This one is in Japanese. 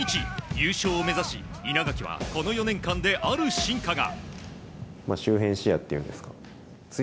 優勝を目指し稲垣はこの４年間である進化が。